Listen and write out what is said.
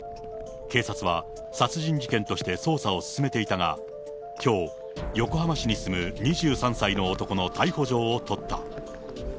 警察は殺人事件として捜査を進めていたが、きょう、横浜市に住む２３歳の男の逮捕状を取った。